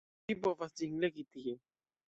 Vi povas ĝin legi tie.